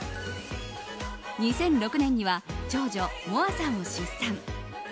２００６年には長女、もあさんを出産。